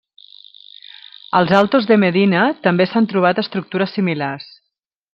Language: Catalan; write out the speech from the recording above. Als Altos de Medina també s'han trobat estructures similars.